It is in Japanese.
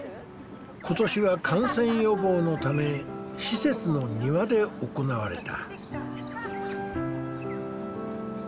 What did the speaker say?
今年は感染予防のため施設の庭で行われた。